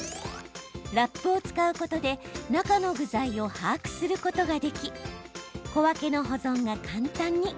ラップを使うことで中の具材を把握することができ小分けの保存が簡単に。